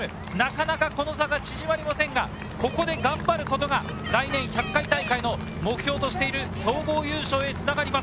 駒澤大学までは５００ｍ、なかなかその差が縮まりませんが、ここで頑張ることが来年１００回大会の目標としている総合優勝へ繋がります。